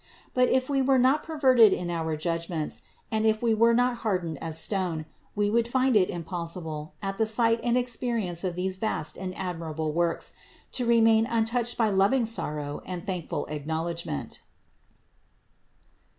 But if we were not perverted in our judgments, and if we were not hardened as stone, we would find it impossible, at the sight and experience of these vast and admirable works, to remain untouched by loving sorrow and thankful acknowledgment.